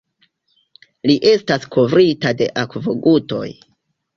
Li estas kovrita de akvogutoj.